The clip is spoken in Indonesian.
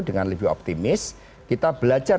dengan lebih optimis kita belajar